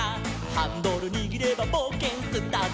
「ハンドルにぎればぼうけんスタート！」